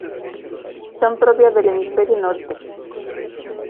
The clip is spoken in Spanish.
Son propias del Hemisferio Norte.